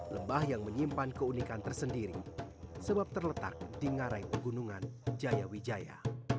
lembah yang menyimpan keunikan tersendiri sebab terletak di ngarai pegunungan jaya wijaya